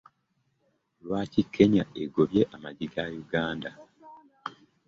Lwaki Kenya ego ye amagi ga Uganda.